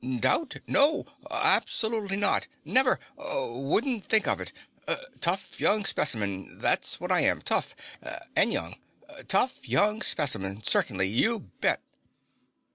"Doubt? No. Absolutely not. Never. Wouldn't think of it. Tough young specimen. That's what I am. Tough. And young. Tough young specimen. Certainly. You bet."